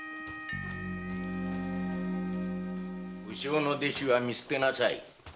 不肖の弟子は見捨てなさい。